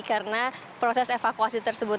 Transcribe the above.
karena proses evakuasi tersebut